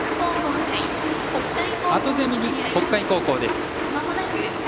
後攻めに北海高校です。